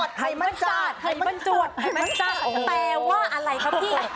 ใช่ค่ะที่เราจะได้แห่แน่นอนนะคะ